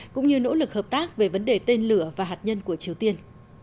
cũng như nỗ lực hợp tác về vấn đề tên lửa và hạt nhân của triều tiên